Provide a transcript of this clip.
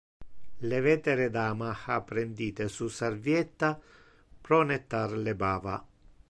Le vetere dama ha prendite su servietta pro nettar le bava.